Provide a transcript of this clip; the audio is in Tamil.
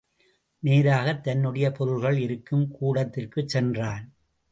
நேராகத் தன்னுடைய பொருள்கள் இருக்கும் கூடத்திற்குச் சென்றான்.